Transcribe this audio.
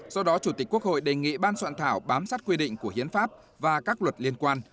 do đó chủ tịch quốc hội đề nghị ban soạn thảo bám sát quy định của hiến pháp và các luật liên quan